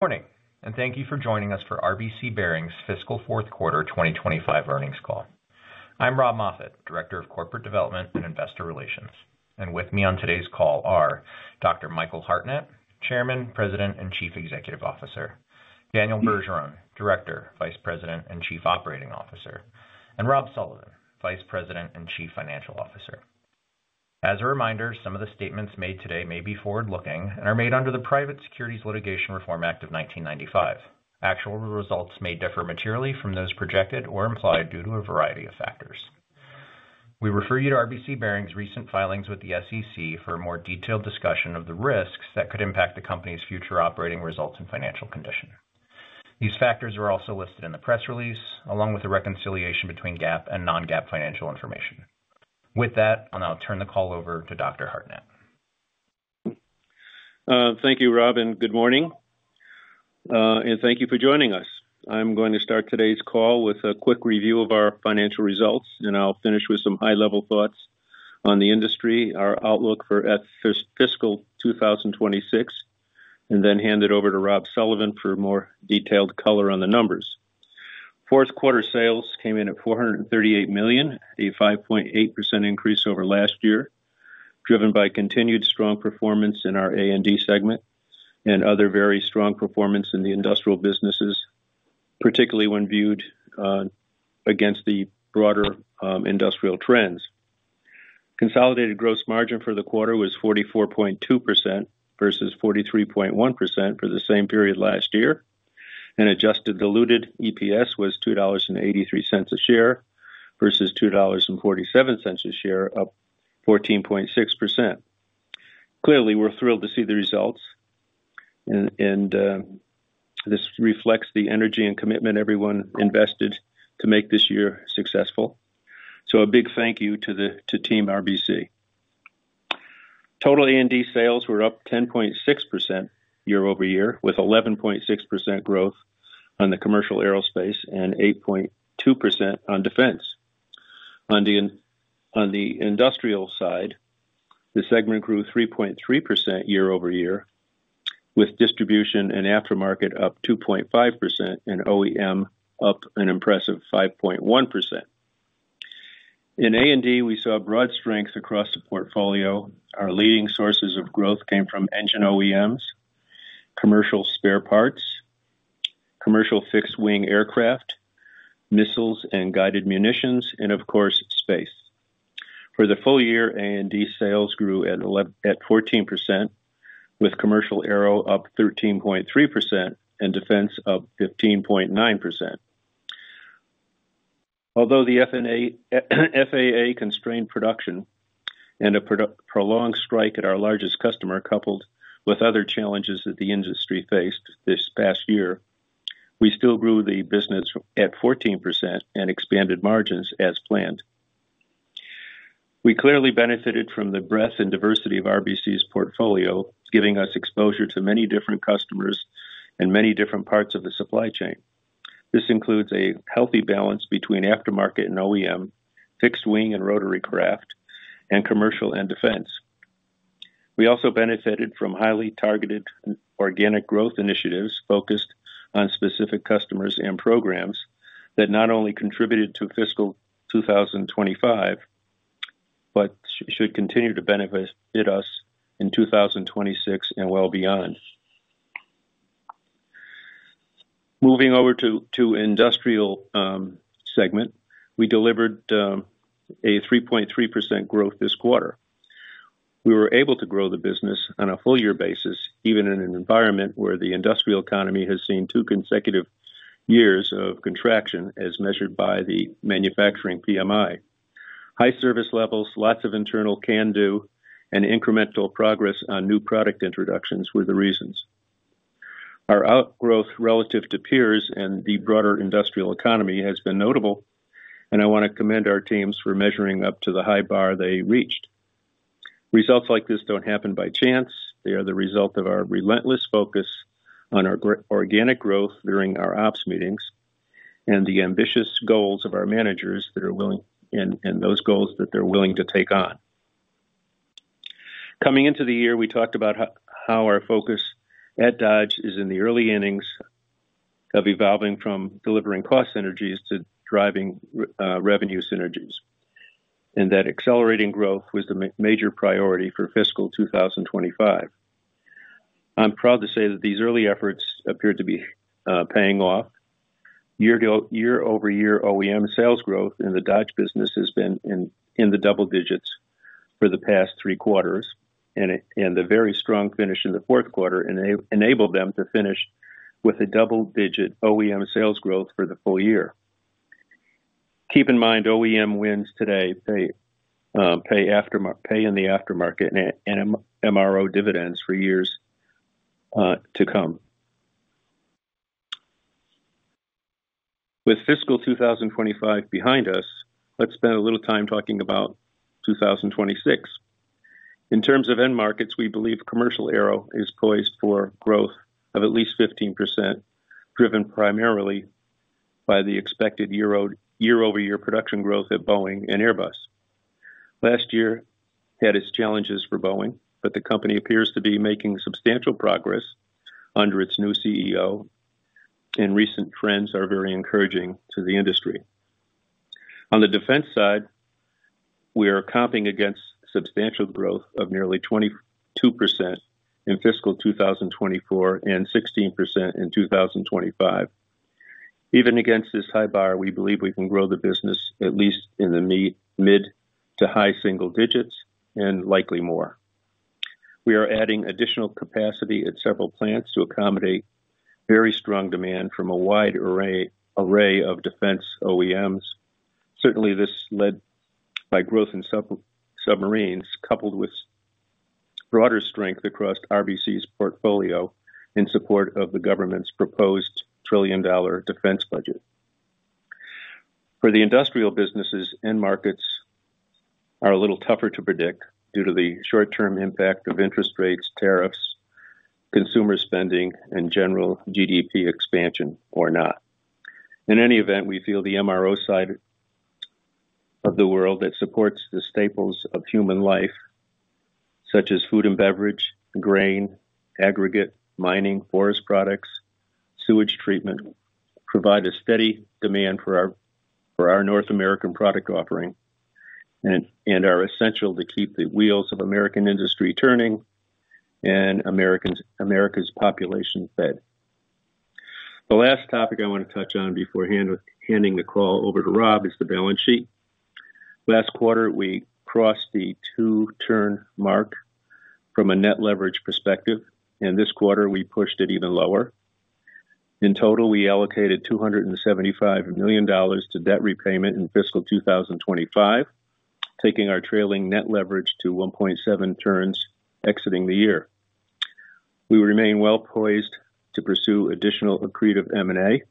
Morning, and thank you for joining us for RBC Bearings' fiscal fourth quarter 2025 earnings call. I'm Rob Moffatt, Director of Corporate Development and Investor Relations, and with me on today's call are Dr. Michael Hartnett, Chairman, President, and Chief Executive Officer; Daniel Bergeron, Director, Vice President, and Chief Operating Officer; and Rob Sullivan, Vice President and Chief Financial Officer. As a reminder, some of the statements made today may be forward-looking and are made under the Private Securities Litigation Reform Act of 1995. Actual results may differ materially from those projected or implied due to a variety of factors. We refer you to RBC Bearings' recent filings with the SEC for a more detailed discussion of the risks that could impact the company's future operating results and financial condition. These factors are also listed in the press release, along with the reconciliation between GAAP and non-GAAP financial information. With that, I'll now turn the call over to Dr. Hartnett. Thank you, Rob, and good morning. Thank you for joining us. I'm going to start today's call with a quick review of our financial results, and I'll finish with some high-level thoughts on the industry, our outlook for fiscal 2026, and then hand it over to Rob Sullivan for more detailed color on the numbers. Fourth quarter sales came in at $438 million, a 5.8% increase over last year, driven by continued strong performance in our A&D segment and other very strong performance in the industrial businesses, particularly when viewed against the broader industrial trends. Consolidated gross margin for the quarter was 44.2% versus 43.1% for the same period last year, and adjusted diluted EPS was $2.83 a share versus $2.47 a share, up 14.6%. Clearly, we're thrilled to see the results, and this reflects the energy and commitment everyone invested to make this year successful. A big thank you to Team RBC. Total A&D sales were up 10.6% year-over-year, with 11.6% growth on the commercial aerospace and 8.2% on defense. On the industrial side, the segment grew 3.3% year-over-year, with distribution and aftermarket up 2.5% and OEM up an impressive 5.1%. In A&D, we saw broad strength across the portfolio. Our leading sources of growth came from engine OEMs, commercial spare parts, commercial fixed-wing aircraft, missiles and guided munitions, and of course, space. For the full year, A&D sales grew at 14%, with commercial aero up 13.3% and defense up 15.9%. Although the FAA constrained production and a prolonged strike at our largest customer coupled with other challenges that the industry faced this past year, we still grew the business at 14% and expanded margins as planned. We clearly benefited from the breadth and diversity of RBC's portfolio, giving us exposure to many different customers and many different parts of the supply chain. This includes a healthy balance between aftermarket and OEM, fixed-wing and rotary craft, and commercial and defense. We also benefited from highly targeted organic growth initiatives focused on specific customers and programs that not only contributed to fiscal 2025 but should continue to benefit us in 2026 and well beyond. Moving over to the industrial segment, we delivered 3.3% growth this quarter. We were able to grow the business on a full-year basis, even in an environment where the industrial economy has seen two consecutive years of contraction, as measured by the manufacturing PMI. High service levels, lots of internal can-do, and incremental progress on new product introductions were the reasons. Our outgrowth relative to peers and the broader industrial economy has been notable, and I want to commend our teams for measuring up to the high bar they reached. Results like this do not happen by chance. They are the result of our relentless focus on our organic growth during our ops meetings and the ambitious goals of our managers that are willing and those goals that they are willing to take on. Coming into the year, we talked about how our focus at Dodge is in the early innings of evolving from delivering cost synergies to driving revenue synergies, and that accelerating growth was the major priority for fiscal 2025. I am proud to say that these early efforts appear to be paying off. Year-over-year OEM sales growth in the Dodge business has been in the double digits for the past three quarters, and the very strong finish in the fourth quarter enabled them to finish with a double-digit OEM sales growth for the full year. Keep in mind, OEM wins today pay in the aftermarket and MRO dividends for years to come. With fiscal 2025 behind us, let's spend a little time talking about 2026. In terms of end markets, we believe commercial aero is poised for growth of at least 15%, driven primarily by the expected year-over-year production growth at Boeing and Airbus. Last year had its challenges for Boeing, but the company appears to be making substantial progress under its new CEO, and recent trends are very encouraging to the industry. On the defense side, we are comping against substantial growth of nearly 22% in fiscal 2024 and 16% in 2025. Even against this high bar, we believe we can grow the business at least in the mid to high single digits and likely more. We are adding additional capacity at several plants to accommodate very strong demand from a wide array of defense OEMs. Certainly, this is led by growth in submarines, coupled with broader strength across RBC's portfolio in support of the government's proposed trillion-dollar defense budget. For the industrial businesses, end markets are a little tougher to predict due to the short-term impact of interest rates, tariffs, consumer spending, and general GDP expansion or not. In any event, we feel the MRO side of the world that supports the staples of human life, such as food and beverage, grain, aggregate, mining, forest products, sewage treatment, provides a steady demand for our North American product offering and are essential to keep the wheels of American industry turning and America's population fed. The last topic I want to touch on before handing the call over to Rob is the balance sheet. Last quarter, we crossed the two-turn mark from a net leverage perspective, and this quarter, we pushed it even lower. In total, we allocated $275 million to debt repayment in fiscal 2025, taking our trailing net leverage to 1.7 turns exiting the year. We remain well poised to pursue additional accretive M&A,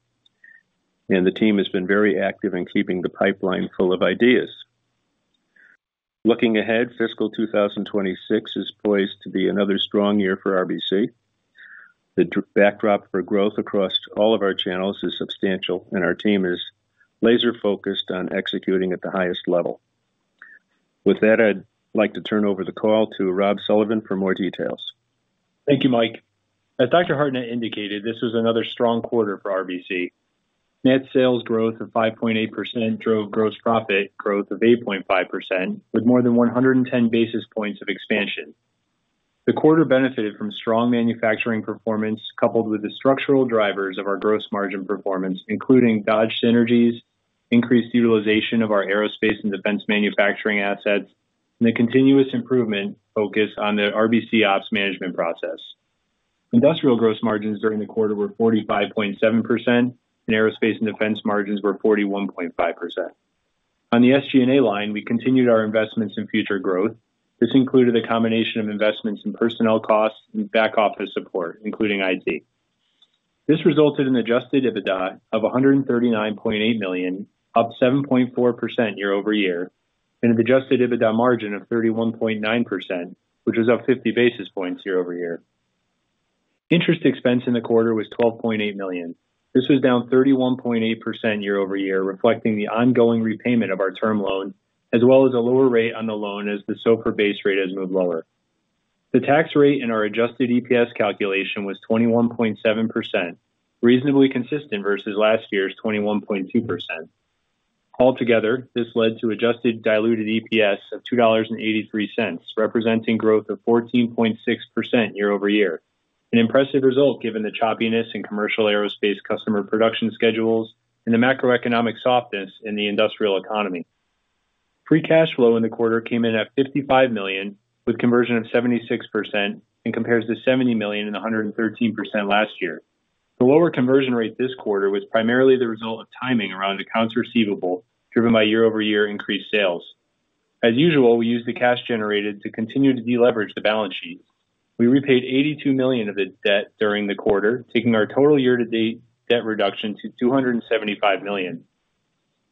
and the team has been very active in keeping the pipeline full of ideas. Looking ahead, fiscal 2026 is poised to be another strong year for RBC. The backdrop for growth across all of our channels is substantial, and our team is laser-focused on executing at the highest level. With that, I'd like to turn over the call to Rob Sullivan for more details. Thank you, Mike. As Dr. Hartnett indicated, this was another strong quarter for RBC. Net sales growth of 5.8% drove gross profit growth of 8.5%, with more than 110 basis points of expansion. The quarter benefited from strong manufacturing performance coupled with the structural drivers of our gross margin performance, including Dodge synergies, increased utilization of our aerospace and defense manufacturing assets, and the continuous improvement focus on the RBC ops management process. Industrial gross margins during the quarter were 45.7%, and aerospace and defense margins were 41.5%. On the SG&A line, we continued our investments in future growth. This included a combination of investments in personnel costs and back-office support, including IT. This resulted in adjusted EBITDA of $139.8 million, up 7.4% year-over-year, and an adjusted EBITDA margin of 31.9%, which was up 50 basis points year over year. Interest expense in the quarter was $12.8 million. This was down 31.8% year over year, reflecting the ongoing repayment of our term loan, as well as a lower rate on the loan as the SOFR base rate has moved lower. The tax rate in our adjusted EPS calculation was 21.7%, reasonably consistent versus last year's 21.2%. Altogether, this led to adjusted diluted EPS of $2.83, representing growth of 14.6% year-over-year, an impressive result given the choppiness in commercial aerospace customer production schedules and the macroeconomic softness in the industrial economy. Free cash flow in the quarter came in at $55 million, with conversion of 76%, and compares to $70 million and 113% last year. The lower conversion rate this quarter was primarily the result of timing around accounts receivable driven by year-over-year increased sales. As usual, we used the cash generated to continue to deleverage the balance sheet. We repaid $82 million of the debt during the quarter, taking our total year-to-date debt reduction to $275 million.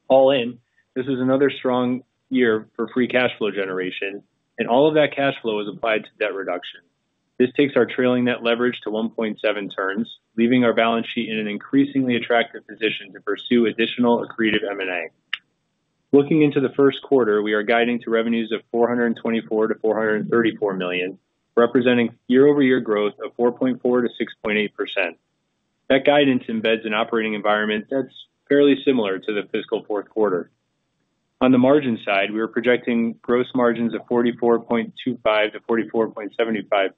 All in, this was another strong year for free cash flow generation, and all of that cash flow was applied to debt reduction. This takes our trailing net leverage to 1.7 turns, leaving our balance sheet in an increasingly attractive position to pursue additional accretive M&A. Looking into the first quarter, we are guiding to revenues of $424-$434 million, representing year-over-year growth of 4.4%-6.8%. That guidance embeds an operating environment that's fairly similar to the fiscal fourth quarter. On the margin side, we are projecting gross margins of $44.25-$44.75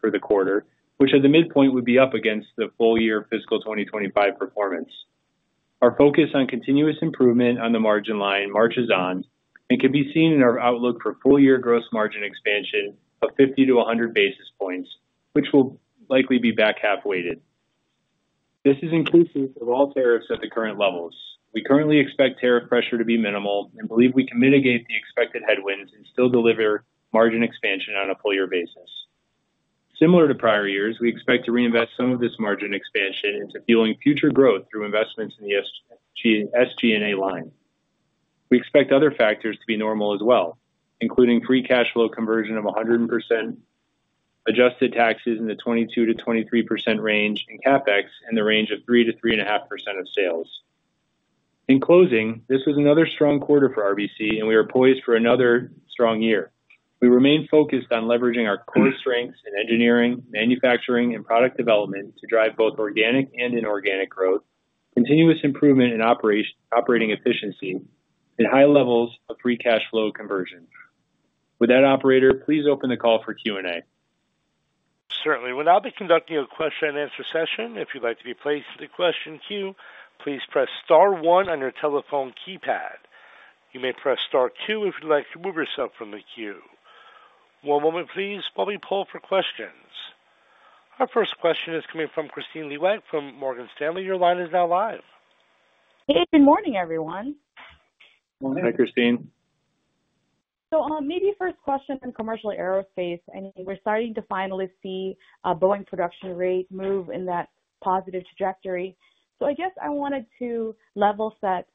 for the quarter, which at the midpoint would be up against the full-year fiscal 2025 performance. Our focus on continuous improvement on the margin line marches on, and can be seen in our outlook for full-year gross margin expansion of 50 to 100 basis points, which will likely be back half-weighted. This is inclusive of all tariffs at the current levels. We currently expect tariff pressure to be minimal and believe we can mitigate the expected headwinds and still deliver margin expansion on a full-year basis. Similar to prior years, we expect to reinvest some of this margin expansion into fueling future growth through investments in the SG&A line. We expect other factors to be normal as well, including free cash flow conversion of 100%, adjusted taxes in the 22%-23% range, and CapEx in the range of 3%-3.5% of sales. In closing, this was another strong quarter for RBC, and we are poised for another strong year. We remain focused on leveraging our core strengths in engineering, manufacturing, and product development to drive both organic and inorganic growth, continuous improvement in operating efficiency, and high levels of free cash flow conversion. With that, operator, please open the call for Q&A. Certainly. We'll now be conducting a question-and-answer session. If you'd like to be placed in the question queue, please press star one on your telephone keypad. You may press star two if you'd like to remove yourself from the queue. One moment, please. While we pull for questions, our first question is coming from Kristine Liwag from Morgan Stanley. Your line is now live. Hey. Good morning, everyone. Morning. Hi, Christine. Maybe first question in commercial aerospace, I mean, we're starting to finally see Boeing's production rate move in that positive trajectory. I guess I wanted to level set.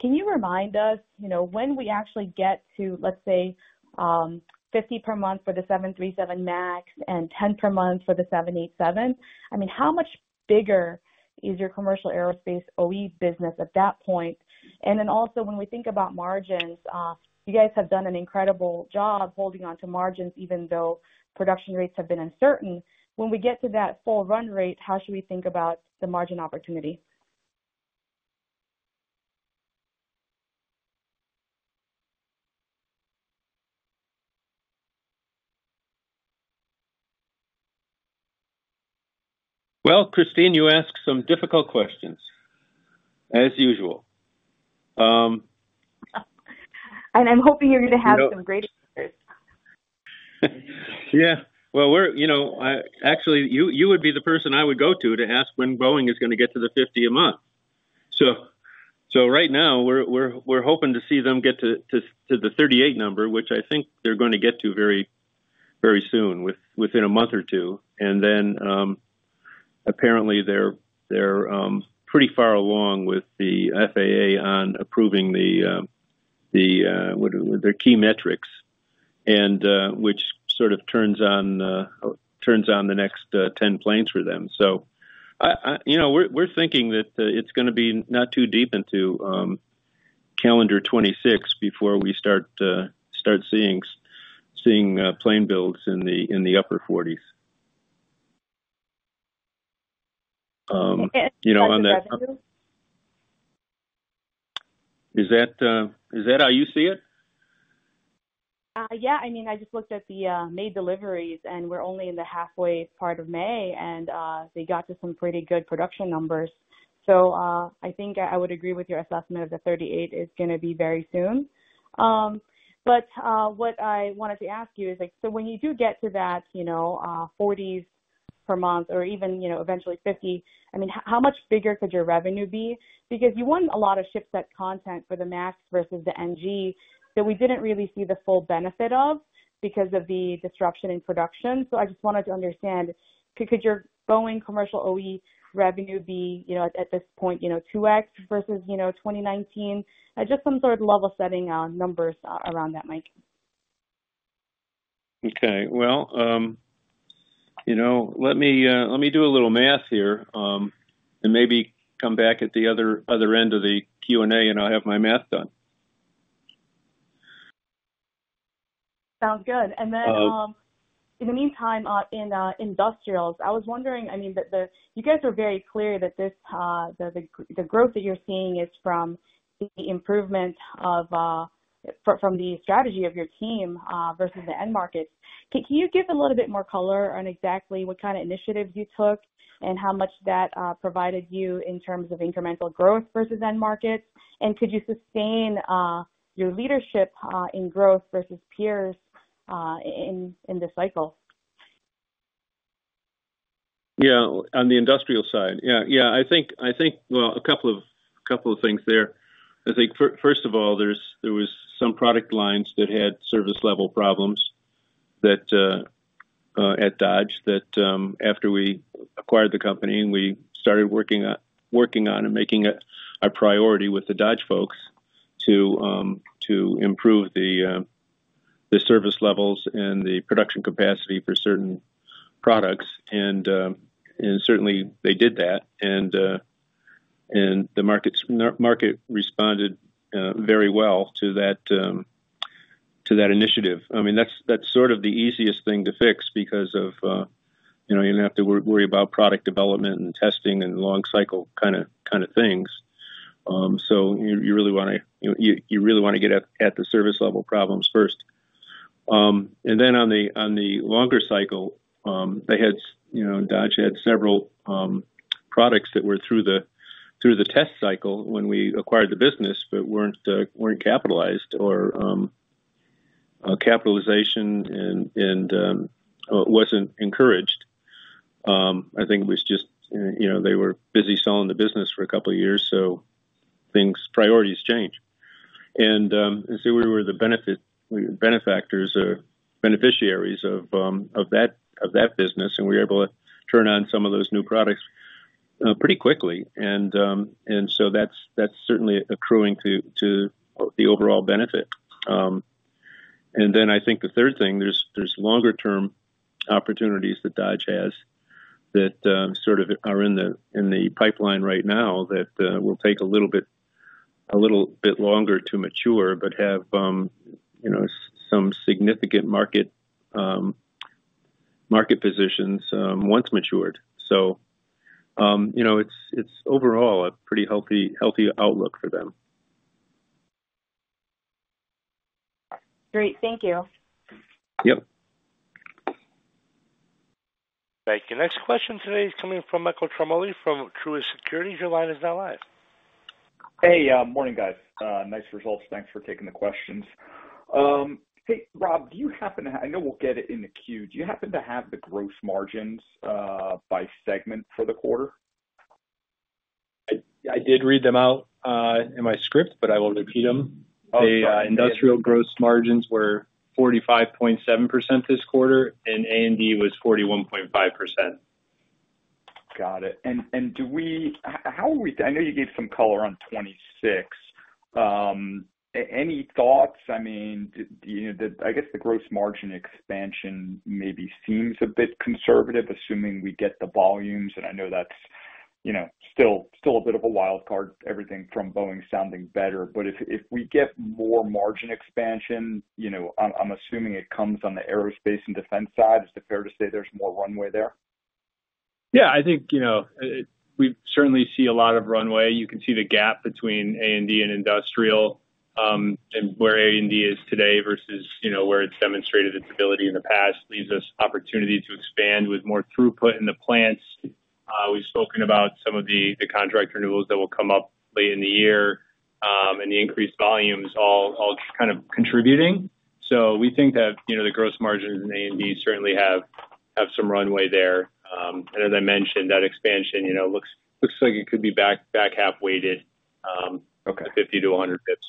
Can you remind us when we actually get to, let's say, $50 per month for the 737 MAX and $10 per month for the 787? I mean, how much bigger is your commercial aerospace OE business at that point? Also, when we think about margins, you guys have done an incredible job holding onto margins even though production rates have been uncertain. When we get to that full run rate, how should we think about the margin opportunity? Kristine, you asked some difficult questions, as usual. I'm hoping you're going to have some great answers. Yeah. Actually, you would be the person I would go to to ask when Boeing is going to get to the $50 a month. Right now, we're hoping to see them get to the $38 number, which I think they're going to get to very soon, within a month or two. Apparently, they're pretty far along with the FAA on approving their key metrics, which sort of turns on the next 10 planes for them. We're thinking that it's going to be not too deep into calendar 2026 before we start seeing plane builds in the upper 40s. Okay. Is that how you see it? Yeah. I mean, I just looked at the May deliveries, and we're only in the halfway part of May, and they got to some pretty good production numbers. I think I would agree with your assessment of the $38 is going to be very soon. What I wanted to ask you is, when you do get to that $40 per month or even eventually $50, I mean, how much bigger could your revenue be? Because you won a lot of ship-set content for the MAX versus the NG that we didn't really see the full benefit of because of the disruption in production. I just wanted to understand, could your Boeing commercial OE revenue be at this point 2x versus 2019? Just some sort of level-setting numbers around that, Mike. Okay. Let me do a little math here and maybe come back at the other end of the Q&A, and I'll have my math done. Sounds good. In the meantime, in industrials, I was wondering, I mean, you guys are very clear that the growth that you're seeing is from the improvement from the strategy of your team versus the end markets. Can you give a little bit more color on exactly what kind of initiatives you took and how much that provided you in terms of incremental growth versus end markets? Could you sustain your leadership in growth versus peers in this cycle? Yeah. On the industrial side, yeah. I think, a couple of things there. I think, first of all, there were some product lines that had service-level problems at Dodge that after we acquired the company, we started working on and making it a priority with the Dodge folks to improve the service levels and the production capacity for certain products. Certainly, they did that, and the market responded very well to that initiative. I mean, that's sort of the easiest thing to fix because you do not have to worry about product development and testing and long-cycle kind of things. You really want to get at the service-level problems first. On the longer cycle, Dodge had several products that were through the test cycle when we acquired the business but were not capitalized or capitalization was not encouraged. I think it was just they were busy selling the business for a couple of years, so priorities change. We were the benefactors, beneficiaries of that business, and we were able to turn on some of those new products pretty quickly. That is certainly accruing to the overall benefit. I think the third thing, there are longer-term opportunities that Dodge has that sort of are in the pipeline right now that will take a little bit longer to mature but have some significant market positions once matured. It is overall a pretty healthy outlook for them. Great. Thank you. Yep. Thank you. Next question today is coming from Michael Ciarmoli from Truist Securities. Your line is now live. Hey. Morning, guys. Nice results. Thanks for taking the questions. Hey, Rob, do you happen to—I know we'll get it in the queue. Do you happen to have the gross margins by segment for the quarter? I did read them out in my script, but I will repeat them. The industrial gross margins were 45.7% this quarter, and A&D was 41.5%. Got it. How are we—I know you gave some color on 2026. Any thoughts? I mean, I guess the gross margin expansion maybe seems a bit conservative, assuming we get the volumes, and I know that's still a bit of a wild card, everything from Boeing sounding better. If we get more margin expansion, I'm assuming it comes on the aerospace and defense side. Is it fair to say there's more runway there? Yeah. I think we certainly see a lot of runway. You can see the gap between A&D and industrial and where A&D is today versus where it's demonstrated its ability in the past leaves us opportunity to expand with more throughput in the plants. We've spoken about some of the contract renewals that will come up late in the year and the increased volumes all kind of contributing. We think that the gross margins in A&D certainly have some runway there. As I mentioned, that expansion looks like it could be back half-weighted 50 to 100 basis points.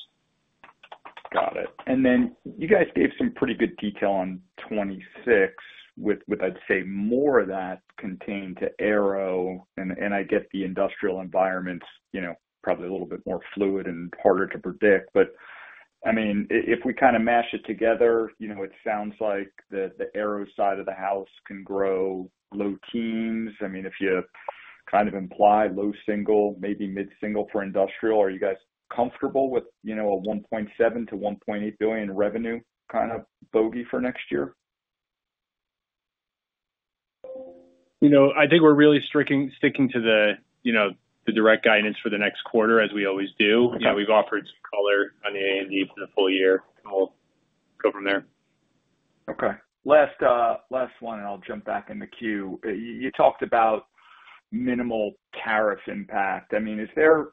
Got it. You guys gave some pretty good detail on 2026 with, I'd say, more of that contained to aero, and I get the industrial environment is probably a little bit more fluid and harder to predict. I mean, if we kind of mash it together, it sounds like the aero side of the house can grow low teens. I mean, if you kind of imply low single, maybe mid-single for industrial, are you guys comfortable with a $1.7 billion-$1.8 billion revenue kind of bogey for next year? I think we're really sticking to the direct guidance for the next quarter, as we always do. We've offered some color on the A&D for the full year. We'll go from there. Okay. Last one, and I'll jump back in the queue. You talked about minimal tariff impact. I mean, is there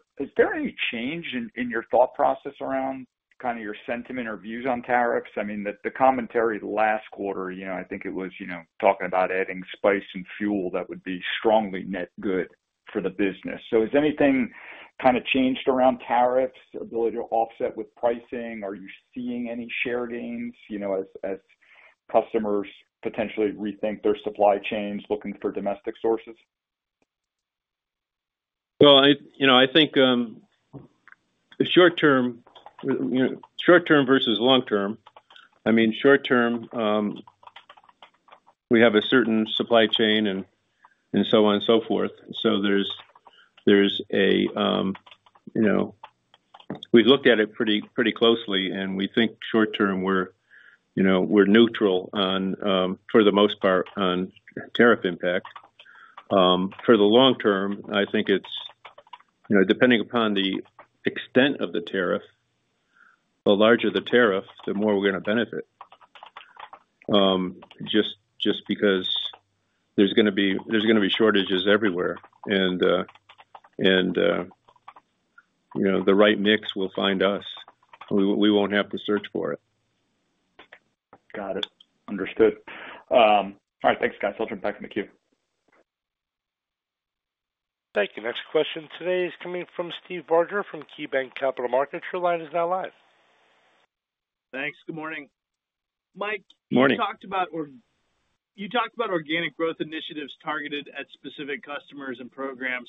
any change in your thought process around kind of your sentiment or views on tariffs? I mean, the commentary last quarter, I think it was talking about adding spice and fuel that would be strongly net good for the business. Has anything kind of changed around tariffs, ability to offset with pricing? Are you seeing any share gains as customers potentially rethink their supply chains looking for domestic sources? I think short-term versus long-term, I mean, short-term, we have a certain supply chain and so on and so forth. There is a—we have looked at it pretty closely, and we think short-term, we are neutral for the most part on tariff impact. For the long-term, I think it is depending upon the extent of the tariff. The larger the tariff, the more we are going to benefit just because there are going to be shortages everywhere. The right mix will find us. We will not have to search for it. Got it. Understood. All right. Thanks, guys. I'll jump back in the queue. Thank you. Next question today is coming from Steve Barger from KeyBanc Capital Markets. Your line is now live. Thanks. Good morning. Mike. Morning. You talked about organic growth initiatives targeted at specific customers and programs.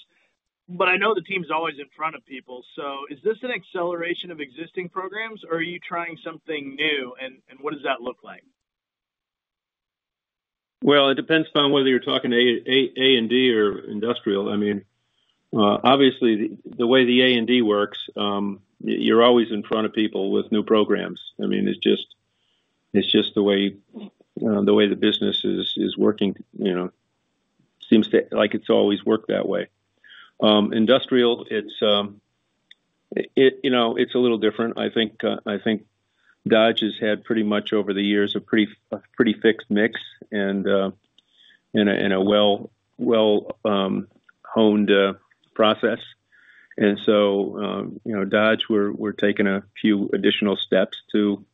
I know the team's always in front of people. Is this an acceleration of existing programs, or are you trying something new? What does that look like? It depends upon whether you're talking to A&D or industrial. I mean, obviously, the way the A&D works, you're always in front of people with new programs. I mean, it's just the way the business is working. It seems like it's always worked that way. Industrial, it's a little different. I think Dodge has had pretty much over the years a pretty fixed mix and a well-honed process. Dodge, we're taking a few additional steps to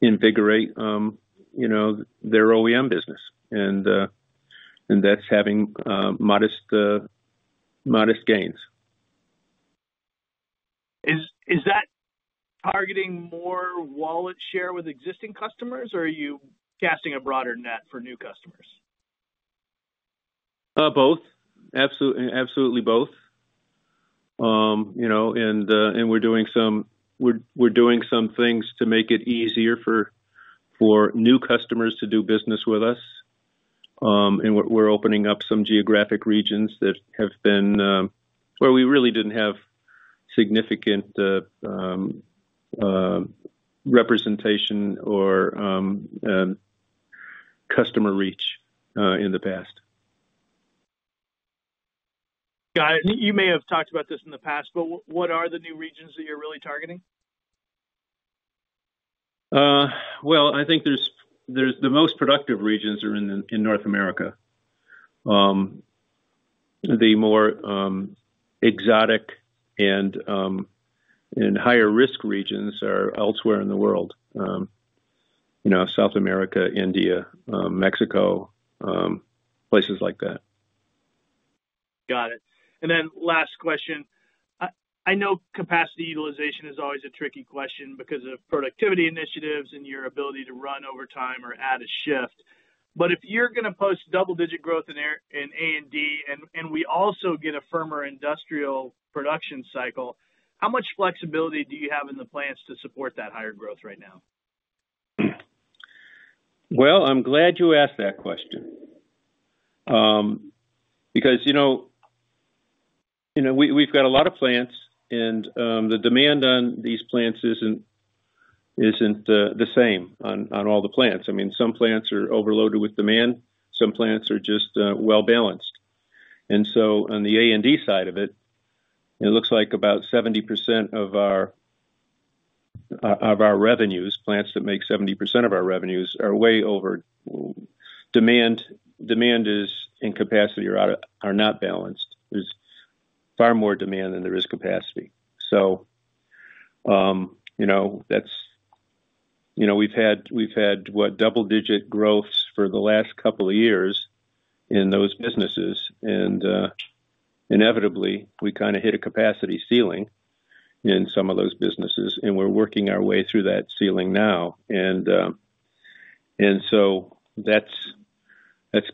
invigorate their OEM business, and that's having modest gains. Is that targeting more wallet share with existing customers, or are you casting a broader net for new customers? Both. Absolutely both. We are doing some things to make it easier for new customers to do business with us. We are opening up some geographic regions that have been where we really did not have significant representation or customer reach in the past. Got it. You may have talked about this in the past, but what are the new regions that you're really targeting? I think the most productive regions are in North America. The more exotic and higher-risk regions are elsewhere in the world: South America, India, Mexico, places like that. Got it. And then last question. I know capacity utilization is always a tricky question because of productivity initiatives and your ability to run over time or add a shift. But if you're going to post double-digit growth in A&D and we also get a firmer industrial production cycle, how much flexibility do you have in the plants to support that higher growth right now? I'm glad you asked that question because we've got a lot of plants, and the demand on these plants isn't the same on all the plants. I mean, some plants are overloaded with demand. Some plants are just well-balanced. On the A&D side of it, it looks like about 70% of our revenues, plants that make 70% of our revenues, are way over. Demand and capacity are not balanced. There's far more demand than there is capacity. We've had, what, double-digit growths for the last couple of years in those businesses. Inevitably, we kind of hit a capacity ceiling in some of those businesses, and we're working our way through that ceiling now. That's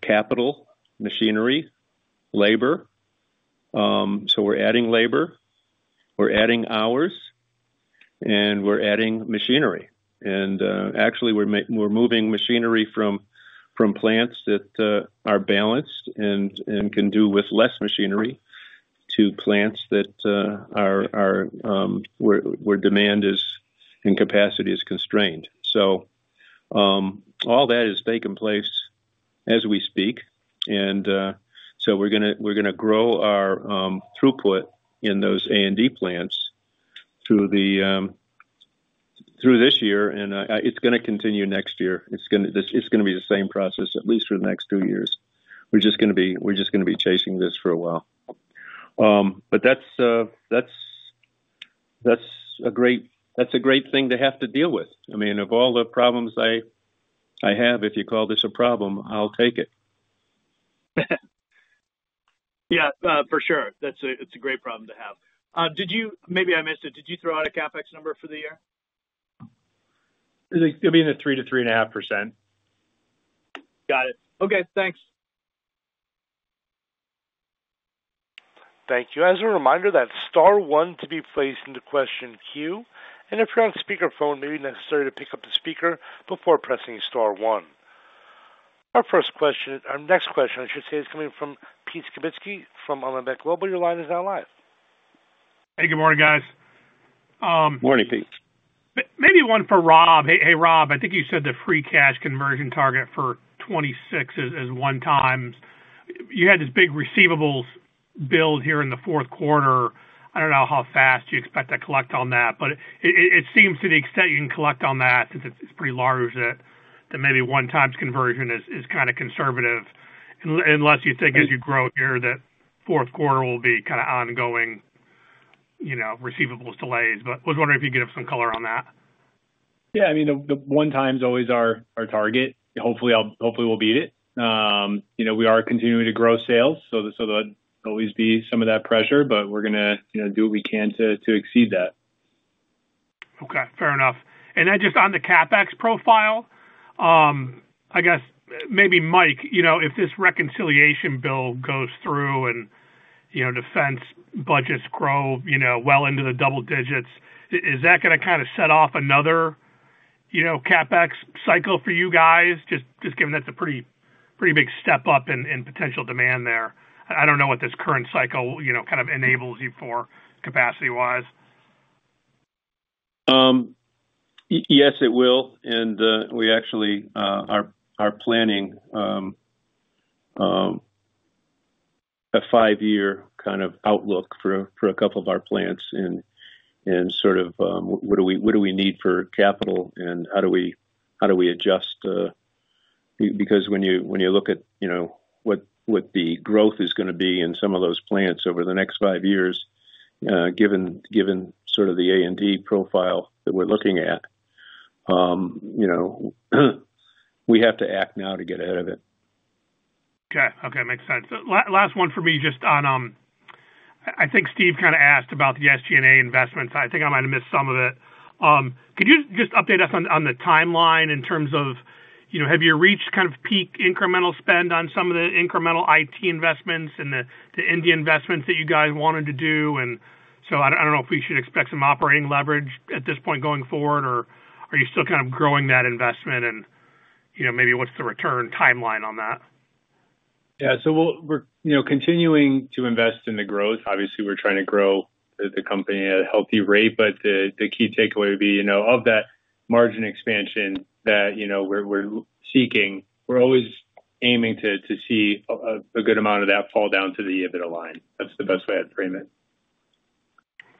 capital, machinery, labor. We're adding labor. We're adding hours, and we're adding machinery. Actually, we're moving machinery from plants that are balanced and can do with less machinery to plants where demand is and capacity is constrained. All that is taking place as we speak. We're going to grow our throughput in those A&D plants through this year, and it's going to continue next year. It's going to be the same process, at least for the next two years. We're just going to be—we're just going to be chasing this for a while. That's a great thing to have to deal with. I mean, of all the problems I have, if you call this a problem, I'll take it. Yeah. For sure. It's a great problem to have. Maybe I missed it. Did you throw out a CapEx number for the year? It'll be in the 3-3.5% range. Got it. Okay. Thanks. Thank you. As a reminder, that's star one to be placed into question queue. If you're on speakerphone, maybe it's necessary to pick up the speaker before pressing star one. Our next question, I should say, is coming from Pete Skibitski from Alembic Global. Your line is now live. Hey. Good morning, guys. Morning, Pete. Maybe one for Rob. Hey, Rob, I think you said the free cash conversion target for 2026 is one time. You had this big receivables build here in the fourth quarter. I do not know how fast you expect to collect on that, but it seems to the extent you can collect on that, since it is pretty large, that maybe one-time conversion is kind of conservative unless you think as you grow here that fourth quarter will be kind of ongoing receivables delays. I was wondering if you could give some color on that. Yeah. I mean, the one-time is always our target. Hopefully, we'll beat it. We are continuing to grow sales, so there'll always be some of that pressure, but we're going to do what we can to exceed that. Okay. Fair enough. Just on the CapEx profile, I guess maybe, Mike, if this reconciliation bill goes through and defense budgets grow well into the double digits, is that going to kind of set off another CapEx cycle for you guys, just given that's a pretty big step up in potential demand there? I don't know what this current cycle kind of enables you for capacity-wise. Yes, it will. We actually are planning a five-year kind of outlook for a couple of our plants and sort of what do we need for capital and how do we adjust because when you look at what the growth is going to be in some of those plants over the next five years, given sort of the A&D profile that we're looking at, we have to act now to get ahead of it. Okay. Okay. Makes sense. Last one for me just on—I think Steve kind of asked about the SG&A investments. I think I might have missed some of it. Could you just update us on the timeline in terms of have you reached kind of peak incremental spend on some of the incremental IT investments and the India investments that you guys wanted to do? I do not know if we should expect some operating leverage at this point going forward, or are you still kind of growing that investment? Maybe what is the return timeline on that? Yeah. We're continuing to invest in the growth. Obviously, we're trying to grow the company at a healthy rate, but the key takeaway would be of that margin expansion that we're seeking, we're always aiming to see a good amount of that fall down to the EBITDA line. That's the best way I'd frame it.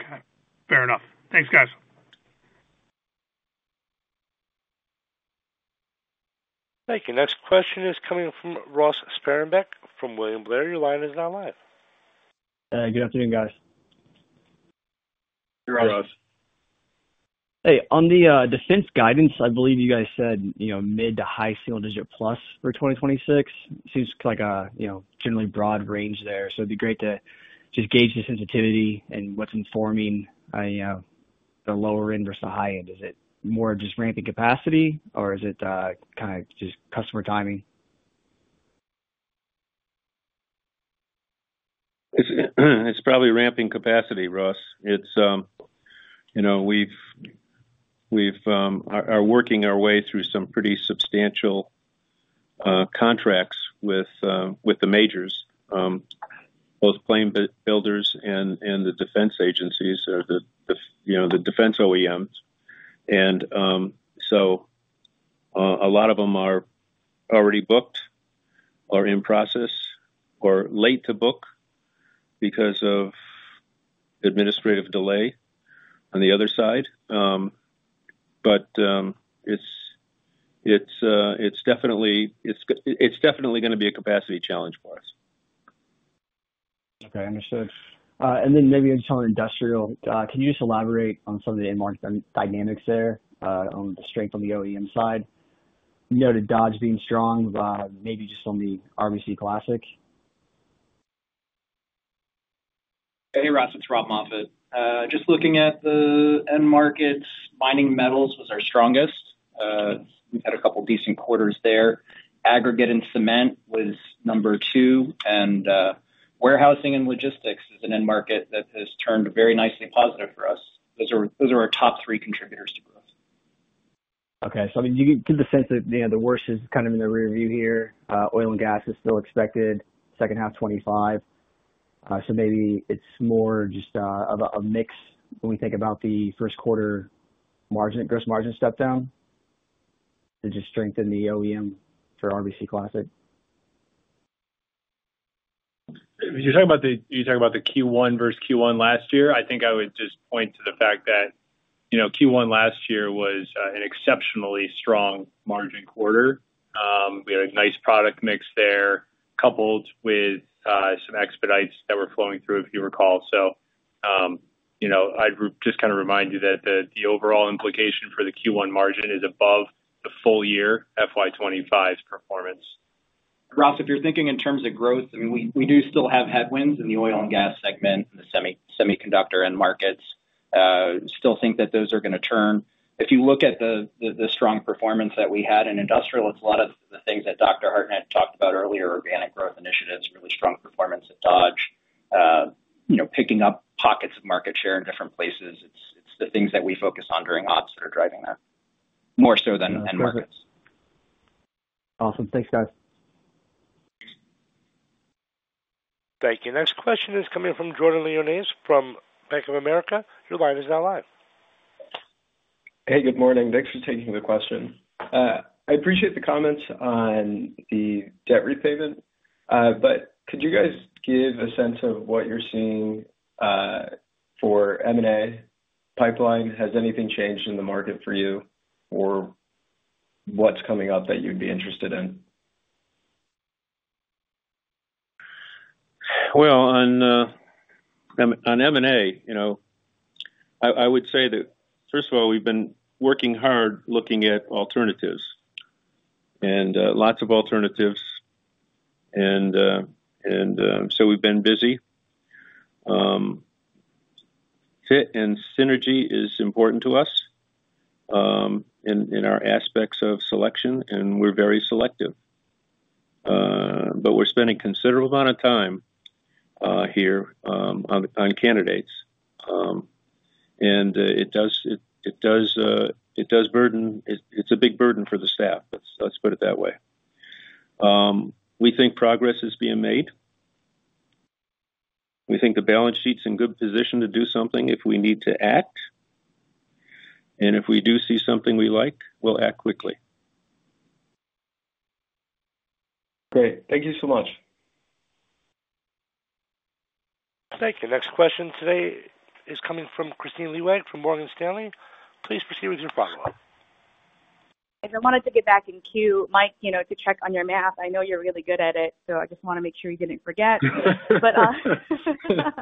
Okay. Fair enough. Thanks, guys. Thank you. Next question is coming from Ross Sparenblek from William Blair. Your line is now live. Good afternoon, guys. Hey, Ross. Hey, Ross. Hey. On the defense guidance, I believe you guys said mid to high single-digit plus for 2026. Seems like a generally broad range there. It'd be great to just gauge the sensitivity and what's informing the lower end versus the high end. Is it more just ramping capacity, or is it kind of just customer timing? It's probably ramping capacity, Ross. We are working our way through some pretty substantial contracts with the majors, both plane builders and the defense agencies, the defense OEMs. A lot of them are already booked or in process or late to book because of administrative delay on the other side. It is definitely going to be a capacity challenge for us. Okay. Understood. Then maybe on industrial, can you just elaborate on some of the end market dynamics there on the strength on the OEM side? You noted Dodge being strong, maybe just on the RBC Classic. Hey, Ross. It's Rob Moffatt. Just looking at the end markets, mining metals was our strongest. We had a couple of decent quarters there. Aggregate and cement was number two. Warehousing and logistics is an end market that has turned very nicely positive for us. Those are our top three contributors to growth. Okay. So I mean, you get the sense that the worst is kind of in the rearview here. Oil and gas is still expected, second half 2025. So maybe it's more just of a mix when we think about the first quarter gross margin step down to just strengthen the OEM for RBC Classic. You're talking about the Q1 versus Q1 last year? I think I would just point to the fact that Q1 last year was an exceptionally strong margin quarter. We had a nice product mix there coupled with some expedites that were flowing through, if you recall. I would just kind of remind you that the overall implication for the Q1 margin is above the full year FY 2025's performance. Ross, if you're thinking in terms of growth, I mean, we do still have headwinds in the oil and gas segment and the semiconductor end markets. Still think that those are going to turn. If you look at the strong performance that we had in industrial, it's a lot of the things that Dr. Hartnett talked about earlier, organic growth initiatives, really strong performance at Dodge, picking up pockets of market share in different places. It's the things that we focus on during ops that are driving that more so than end markets. Awesome. Thanks, guys. Thank you. Next question is coming from Jordan Lyonnais from Bank of America. Your line is now live. Hey, good morning. Thanks for taking the question. I appreciate the comments on the debt repayment, but could you guys give a sense of what you're seeing for M&A pipeline? Has anything changed in the market for you, or what's coming up that you'd be interested in? On M&A, I would say that, first of all, we've been working hard looking at alternatives and lots of alternatives. We've been busy. Fit and synergy is important to us in our aspects of selection, and we're very selective. We're spending a considerable amount of time here on candidates. It does burden, it's a big burden for the staff. Let's put it that way. We think progress is being made. We think the balance sheet's in good position to do something if we need to act. If we do see something we like, we'll act quickly. Great. Thank you so much. Thank you. Next question today is coming from Kristine Liwag from Morgan Stanley. Please proceed with your follow-up. I wanted to get back in queue, Mike, to check on your math. I know you're really good at it, so I just want to make sure you didn't forget. Kristina,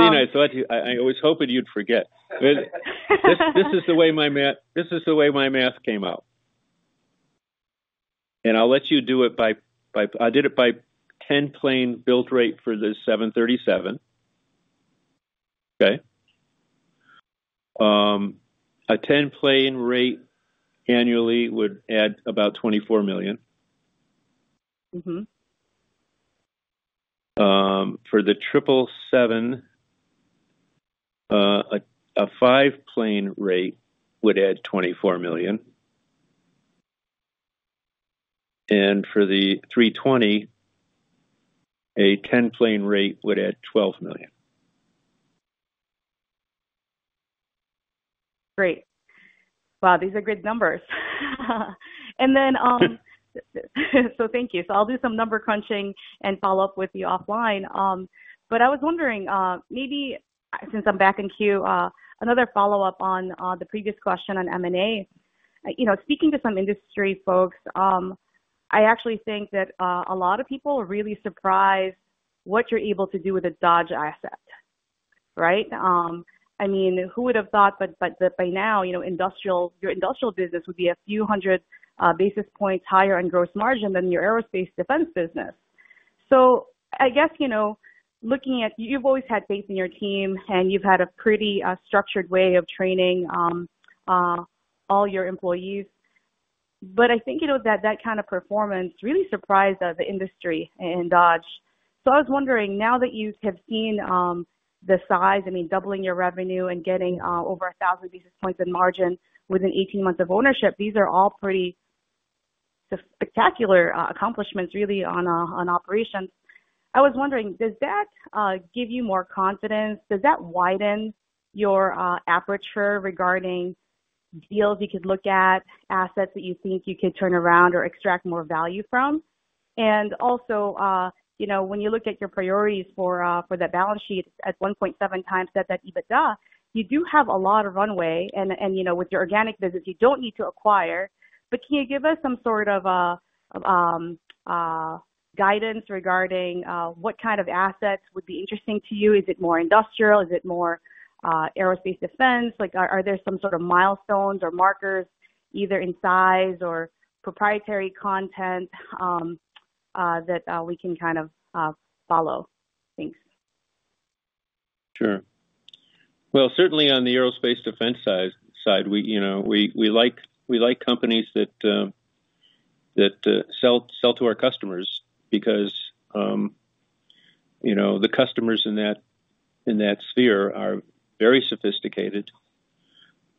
I was hoping you'd forget. This is the way my math—this is the way my math came out. I'll let you do it by—I did it by 10-plane build rate for the 737. Okay. A 10-plane rate annually would add about $24 million. For the 777, a 5-plane rate would add $24 million. For the 320, a 10-plane rate would add $12 million. Great. Wow, these are good numbers. Thank you. I'll do some number crunching and follow up with you offline. I was wondering, maybe since I'm back in queue, another follow-up on the previous question on M&A. Speaking to some industry folks, I actually think that a lot of people are really surprised what you're able to do with a Dodge asset, right? I mean, who would have thought that by now, your industrial business would be a few hundred basis points higher in gross margin than your aerospace defense business? I guess looking at—you've always had faith in your team, and you've had a pretty structured way of training all your employees. I think that kind of performance really surprised the industry and Dodge. I was wondering, now that you have seen the size, I mean, doubling your revenue and getting over 1,000 basis points in margin within 18 months of ownership, these are all pretty spectacular accomplishments, really, on operations. I was wondering, does that give you more confidence? Does that widen your aperture regarding deals you could look at, assets that you think you could turn around or extract more value from? Also, when you look at your priorities for that balance sheet at 1.7 times that EBITDA, you do have a lot of runway. With your organic business, you do not need to acquire. Can you give us some sort of guidance regarding what kind of assets would be interesting to you? Is it more industrial? Is it more aerospace defense? Are there some sort of milestones or markers, either in size or proprietary content, that we can kind of follow? Thanks. Sure. Certainly on the aerospace defense side, we like companies that sell to our customers because the customers in that sphere are very sophisticated.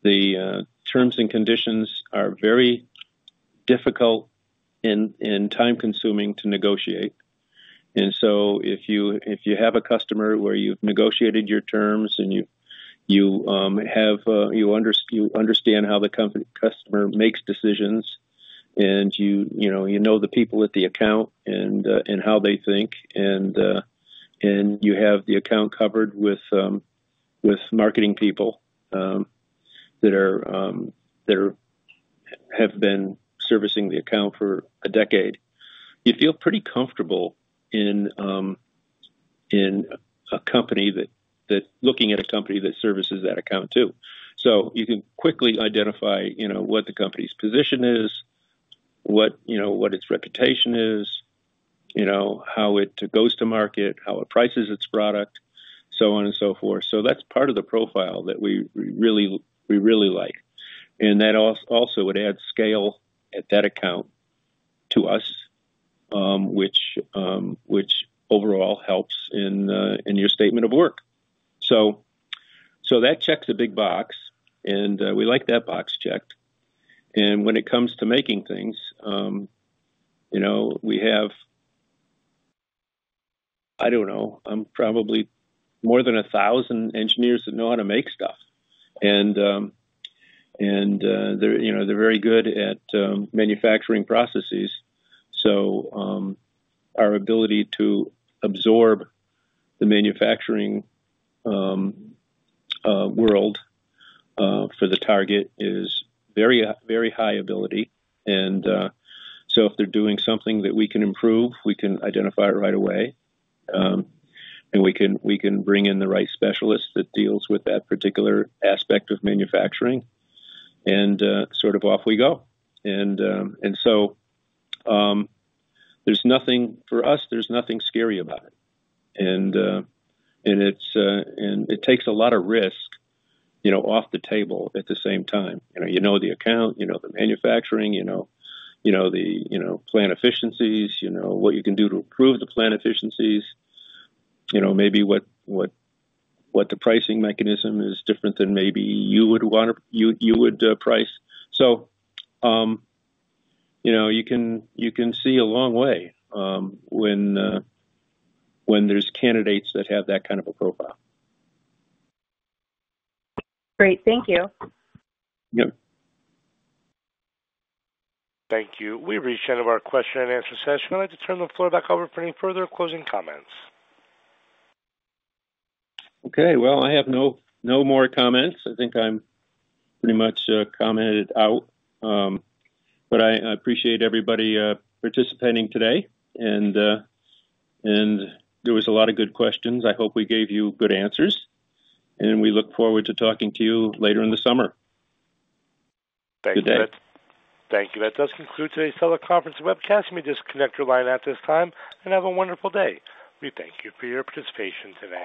The terms and conditions are very difficult and time-consuming to negotiate. If you have a customer where you've negotiated your terms and you understand how the customer makes decisions and you know the people at the account and how they think, and you have the account covered with marketing people that have been servicing the account for a decade, you feel pretty comfortable in a company that's looking at a company that services that account too. You can quickly identify what the company's position is, what its reputation is, how it goes to market, how it prices its product, so on and so forth. That's part of the profile that we really like. That also would add scale at that account to us, which overall helps in your statement of work. That checks a big box, and we like that box checked. When it comes to making things, we have—I do not know. I am probably more than 1,000 engineers that know how to make stuff. They are very good at manufacturing processes. Our ability to absorb the manufacturing world for the target is very high ability. If they are doing something that we can improve, we can identify it right away. We can bring in the right specialist that deals with that particular aspect of manufacturing, and off we go. For us, there is nothing scary about it. It takes a lot of risk off the table at the same time. You know the account, you know the manufacturing, you know the plant efficiencies, you know what you can do to improve the plant efficiencies, maybe what the pricing mechanism is different than maybe you would price. You can see a long way when there's candidates that have that kind of a profile. Great. Thank you. Yep. Thank you. We've reached the end of our question and answer session. I'd like to turn the floor back over for any further closing comments. Okay. I have no more comments. I think I'm pretty much commented out. I appreciate everybody participating today. There were a lot of good questions. I hope we gave you good answers. We look forward to talking to you later in the summer. Thank you. Thank you. That does conclude today's teleconference webcast. You may disconnect your line at this time and have a wonderful day. We thank you for your participation today.